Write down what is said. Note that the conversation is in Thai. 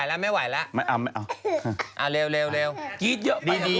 ก็ไหวละไม่ไหวละ